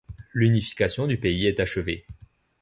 L'unification du pays est achevée.